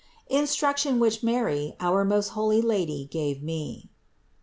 INSTRUCTION WHICH MARY, OUR MOST HOLY LADY, GAVE ME.